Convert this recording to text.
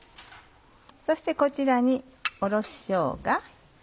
そしてこちらにおろししょうが。